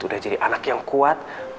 sudah jadi anak yang kuat